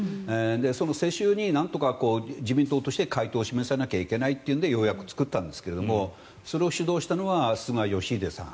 その世襲になんとか自民党として回答を示さなきゃいけないというのでようやく作ったんですがそれを主導したのは菅義偉さん。